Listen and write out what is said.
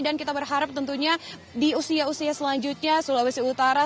dan kita berharap tentunya di usia usia selanjutnya sulawesi utara